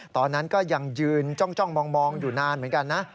ตอนนั้นก็ยังยืนจ้องมองอยู่นานเหมือนกันนะ